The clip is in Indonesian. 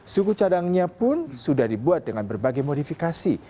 suku cadangnya pun sudah dibuat dengan berbagai modifikasi